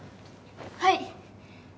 はい。